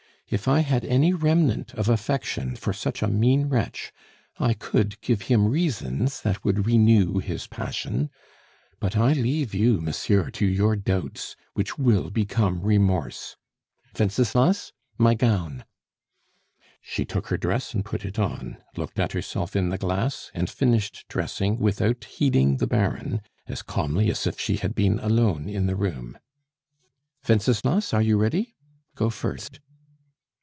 If I had any remnant of affection for such a mean wretch, I could give him reasons that would renew his passion! But I leave you, monsieur, to your doubts, which will become remorse. Wenceslas, my gown!" She took her dress and put it on, looked at herself in the glass, and finished dressing without heeding the Baron, as calmly as if she had been alone in the room. "Wenceslas, are you ready? Go first."